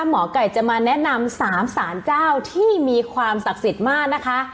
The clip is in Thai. หมอไก่จะมาแนะนำ๓สารเจ้าที่มีความศักดิ์สิทธิ์มากนะคะ